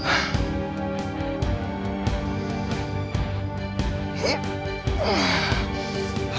aku harus menembuskan